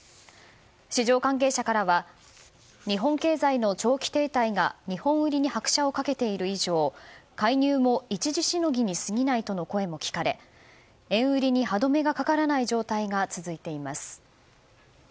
市場関係者からは日本経済の長期停滞が日本売りに拍車を掛けている以上介入も一時しのぎにすぎないとの声も聞かれ円売りに歯止めがかからない状態が続いています。